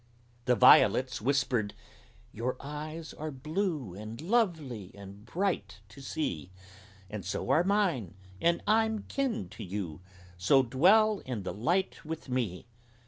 The Violets whispered: "Your eyes are blue And lovely and bright to see; And so are mine, and I'm kin to you, So dwell in the light with me!"